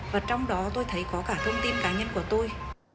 và trong đó tôi thấy có cả thông tin cá nhân của tôi